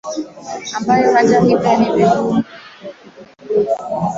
ambayo hata hivyo ni vigumu kuyathibitisha